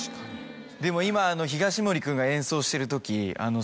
でも今東森君が演奏してるとき。